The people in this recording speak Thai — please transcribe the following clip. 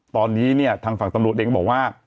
ตอนนี้เนี่ยทางฝั่งตำรวจเองบอกว่า